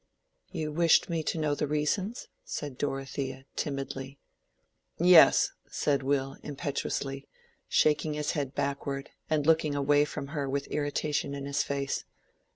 "You wished me to know the reasons?" said Dorothea, timidly. "Yes," said Will, impetuously, shaking his head backward, and looking away from her with irritation in his face.